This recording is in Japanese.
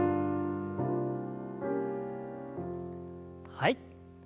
はい。